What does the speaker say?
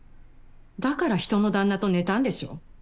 だから人の旦那と寝たんでしょ？